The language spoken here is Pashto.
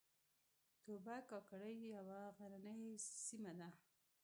توبه کاکړۍ یوه غرنۍ سیمه ده